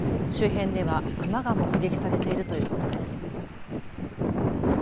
周辺では熊が目撃されているということです。